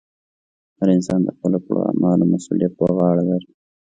هر انسان د خپلو کړو اعمالو مسؤلیت پر غاړه لري.